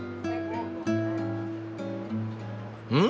うん？